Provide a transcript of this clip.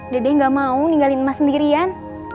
dede gak mau ninggalin emas sendirian